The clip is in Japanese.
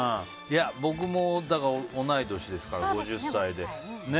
僕も同い年ですから、５０歳で。